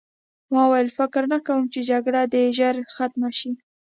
ما وویل فکر نه کوم چې جګړه دې ژر ختمه شي